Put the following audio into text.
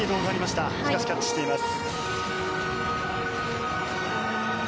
しかしキャッチしています。